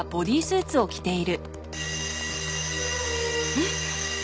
うん？